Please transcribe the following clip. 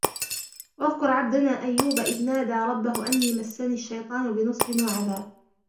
واذكر عبدنا أيوب إذ نادى ربه أني مسني الشيطان بنصب وعذاب